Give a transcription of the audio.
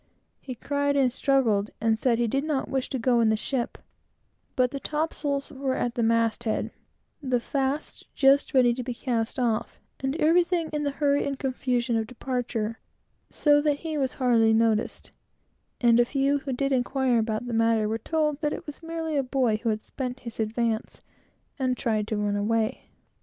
He cried and struggled, and said he did not wish to go in the ship, but the topsails were at the mast head, the fasts just ready to be cast off, and everything in the hurry and confusion of departure, so that he was hardly noticed; and the few who did inquire about the matter were told that it was merely a boy who had spent his advance and tried to run away.